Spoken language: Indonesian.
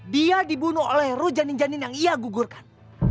dia dibunuh oleh rujanin janin yang ia gugurkan